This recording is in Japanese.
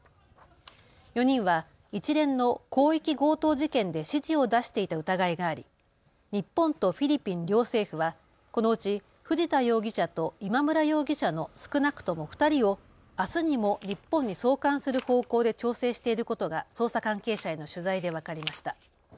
４人は一連の広域強盗事件で指示を出していた疑いがあり日本とフィリピン両政府はこのうち藤田容疑者と今村容疑者の少なくとも２人をあすにも日本に送還する方向で調整していることが捜査関係者への取材で分かりました。